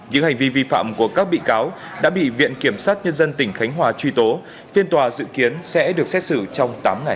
những hành vi vi phạm của các bị cáo đã bị viện kiểm sát nhân dân tỉnh khánh hòa truy tố phiên tòa dự kiến sẽ được xét xử trong tám ngày